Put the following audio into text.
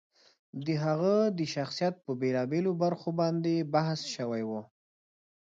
د هغه د شخصیت په بېلا بېلو برخو باندې بحث شوی و.